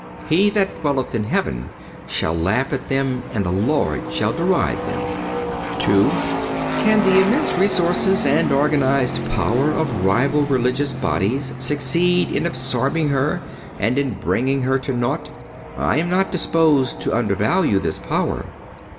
He that dwelleth in heaven shall laugh at them and the Lord shall deride them."(108) II. Can the immense resources and organized power of rival religious bodies succeed in absorbing her and in bringing her to naught? I am not disposed to undervalue this power.